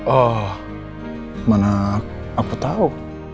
oh mana aku tau